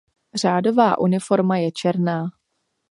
Řádová uniforma je černá.